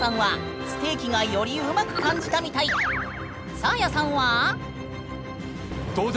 サーヤさんは？うわ。